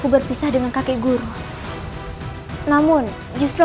mereka mampu sora